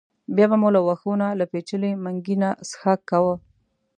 بیا به مو له وښو کې له پېچلي منګي نه څښاک کاوه.